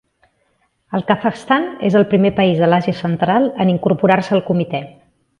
El Kazakhstan és el primer país de l'Àsia Central en incorporar-se al Comitè.